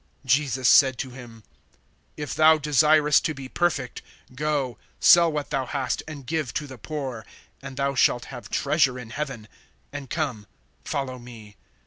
(21)Jesus said to him: If thou desirest to be perfect, go, sell what thou hast, and give to the poor, and thou shalt have treasure in heaven; and come, follow me.